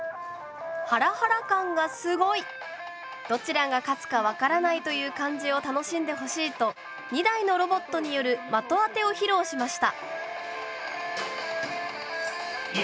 ハラハラ感がすごい！どちらが勝つか分からないという感じを楽しんでほしいと２台のロボットによる的あてを披露しました。